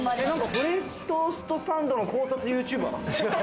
フレンチトースト・サンドの考察ＹｏｕＴｕｂｅｒ？